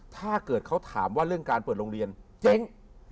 ถ้าเกิดเขาถามว่าเรื่องการเปิดโรงเรียนเจ๊ง